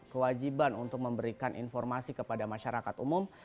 kewajiban untuk memberikan informasi kepada masyarakat umum